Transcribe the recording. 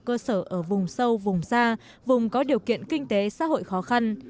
chương trình được tổ chức ở vùng sâu vùng xa vùng có điều kiện kinh tế xã hội khó khăn